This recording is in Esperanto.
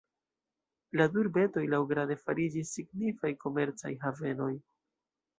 La du urbetoj laŭgrade fariĝis signifaj komercaj havenoj.